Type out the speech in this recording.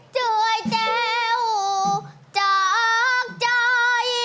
ช่วยแจ้วจากใจ